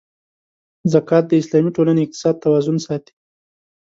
زکات د اسلامي ټولنې اقتصادي توازن ساتي.